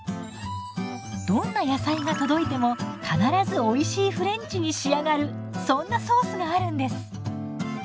どんな野菜が届いても必ずおいしいフレンチに仕上がるそんなソースがあるんです！